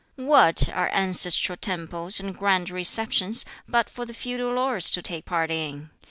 "What are ancestral temples and Grand Receptions, but for the feudal lords to take part in?